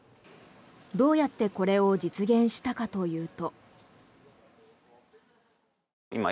どうやってこれを実現したかというと。